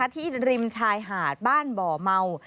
ริมชายหาดบ้านบ่อเมา